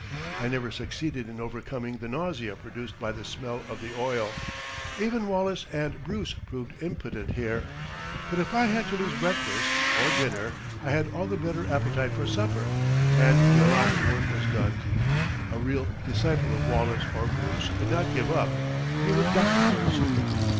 I never succeeded in overcoming the nausea produced by the smell of the oil. Even Wallace and Bruce proved impotent here. But if I had to lose breakfast, or dinner, I had all the better appetite for supper, and the allotted work was done. A real disciple of Wallace or Bruce could not give up; he would die first.